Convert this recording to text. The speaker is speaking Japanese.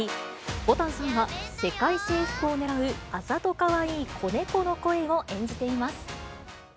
ぼたんさんは、世界征服を狙うあざとかわいい子猫の声を演じています。